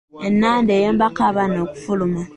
Ennanda eyambako abaana okufuluma.